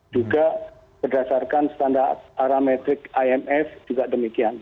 juga berdasarkan standar parametrik imf juga demikian